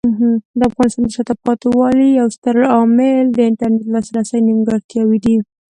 د افغانستان د شاته پاتې والي یو ستر عامل د انټرنیټ لاسرسي نیمګړتیاوې دي.